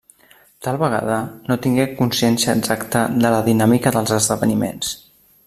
Tal vegada no tingué consciència exacta de la dinàmica dels esdeveniments.